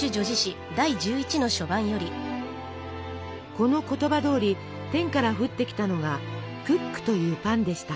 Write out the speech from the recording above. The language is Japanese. この言葉どおり天から降ってきたのがクックというパンでした。